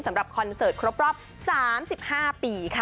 สำหรับคอนเซิร์ตครบ๓๕ปีค่ะ